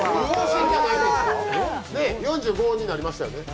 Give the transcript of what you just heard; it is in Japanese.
４５になりましたよね。